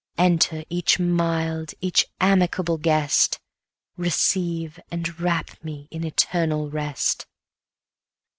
Enter, each mild, each amicable guest; Receive, and wrap me in eternal rest!